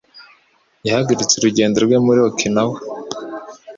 Yahagaritse urugendo rwe muri Okinawa.